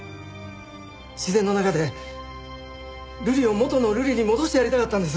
自然の中でルリを元のルリに戻してやりたかったんです。